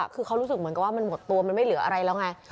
คือเขารู้สึกเหมือนกับว่ามันหมดตัวมันไม่เหลืออะไรแล้วไง